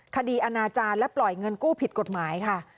อนาจารย์และปล่อยเงินกู้ผิดกฎหมายค่ะ